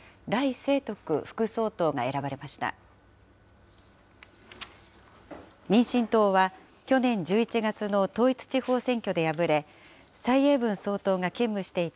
清徳副総統が選ばれました。